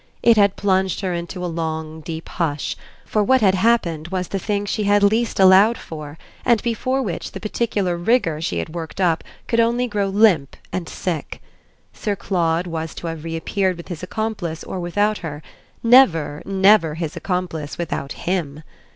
It had plunged her into a long deep hush; for what had happened was the thing she had least allowed for and before which the particular rigour she had worked up could only grow limp and sick. Sir Claude was to have reappeared with his accomplice or without her; never, never his accomplice without HIM.